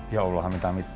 ya allah amit amit